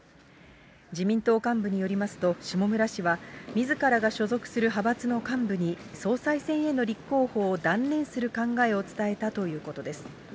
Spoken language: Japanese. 自民党幹部によりますと、下村氏は、みずからが所属する派閥の幹部に、総裁選への立候補を断念する考えを伝えたということです。